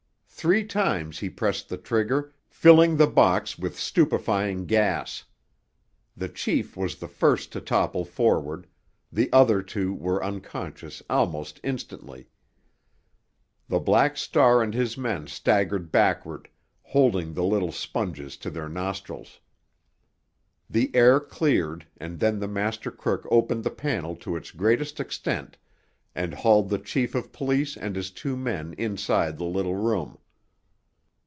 Three times he pressed the trigger, filling the box with stupefying gas. The chief was the first to topple forward; the other two were unconscious almost instantly. The Black Star and his men staggered backward, holding the little sponges to their nostrils. The air cleared, and then the master crook opened the panel to its greatest extent, and hauled the chief of police and his two men inside the little room.